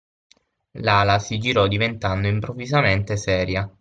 Lala si girò diventando improvvisamente seria.